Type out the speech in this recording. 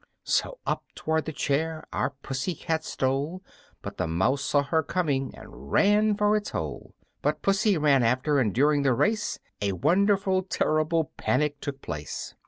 So up toward the chair our Pussy cat stole, But the mouse saw her coming and ran for its hole; But Pussy ran after, and during the race A wonderful, terrible panic took place!